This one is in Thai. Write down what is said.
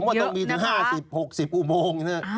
ว่าต้องมีถึง๕๐๖๐อุโมง